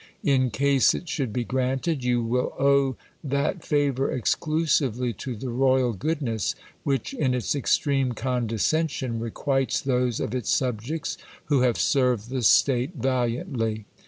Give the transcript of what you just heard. In case it should be granted, you will owe that favour exclusively to the royal goodness, which in its extreme condescension requites those of its subjects who have served the state valiantly.